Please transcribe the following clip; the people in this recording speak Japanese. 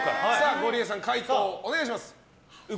ゴリエさん、解答お願いします。